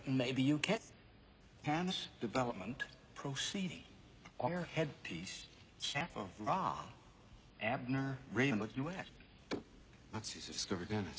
うん。